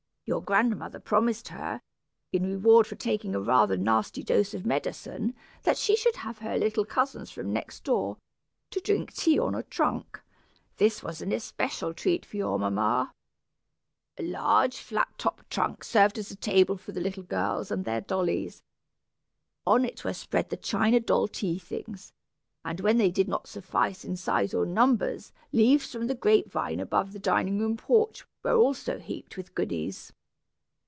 Your grandmother promised her, in reward for taking a rather nasty dose of medicine, that she should have her little cousins from next door, to drink tea on a trunk. This was an especial treat to your mamma. A large flat topped trunk served as table for the little girls and their dollies. On it were spread the china doll tea things, and when they did not suffice in size or numbers, leaves from the grape vine above the dining room porch, were also heaped with goodies.